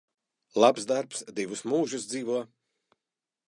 Labs darbs divus mūžus dzīvo.